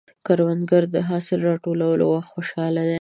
کروندګر د حاصل راټولولو وخت خوشحال دی